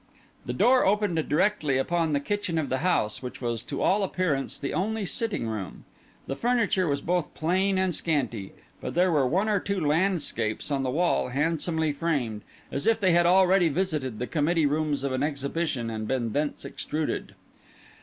The door opened directly upon the kitchen of the house, which was to all appearance the only sitting room. The furniture was both plain and scanty; but there were one or two landscapes on the wall handsomely framed, as if they had already visited the committee rooms of an exhibition and been thence extruded.